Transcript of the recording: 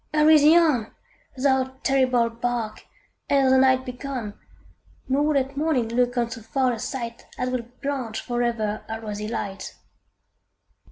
hurry thee on, Thou terrible bark, ere the night be gone, Nor let morning look on so foul a sight As would blanch for ever her rosy light!